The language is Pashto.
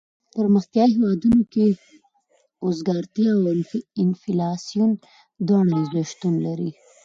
په پرمختیایي هېوادونو کې اوزګارتیا او انفلاسیون دواړه یو ځای شتون لري.